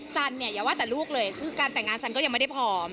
สันเนี่ยอย่าว่าแต่ลูกเลยคือการแต่งงานซันก็ยังไม่ได้พร้อม